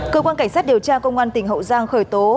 cơ quan cảnh sát điều tra công an tỉnh hậu giang khởi tố